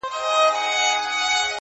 چورلکي د کلي پر سر ګرځي او انځورونه اخلي